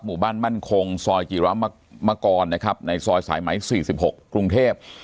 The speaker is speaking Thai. หมู่บ้านมั่นคงซอยจิรามกรนะครับในซอยสายไหม๔๖กรุงเทพ